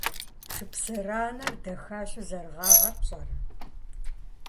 Шыпсыранэр дахащэу зэрыгъагъэр пщӀэрэ?